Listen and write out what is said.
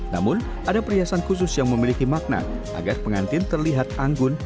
namun ada perhiasan khusus yang memiliki makna agar pengantin terlihat anggun